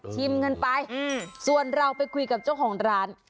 กันไปส่วนเราไปคุยกับเจ้าของร้าน